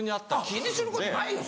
気にすることないよ